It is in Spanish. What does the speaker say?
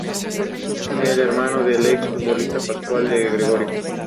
Además ha actuado en comerciales y ha sido modelo para varias marcas y empresas.